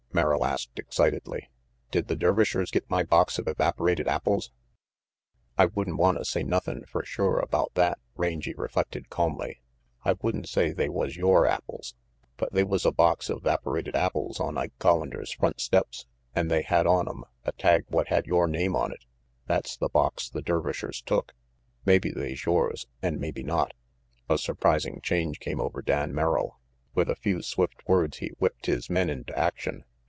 Merrill asked excitedly. "Did the Dervishers get my box of evaporated apples?" "I would'n wanta say nothin' fer sure about that," Rangy reflected calmly. "I would'n say they was yore apples. But they was a box of 'vaporated apples on Ike (Hollander's front steps, an' they had on 'em a tag what had yore name on it. That's the box the Dervishers took. Mabbe they's yores, an' mabbe not." A surprising change came over Dan Merrill. With a few swift words he whipped his men into action.